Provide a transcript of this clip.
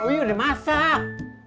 uy udah masak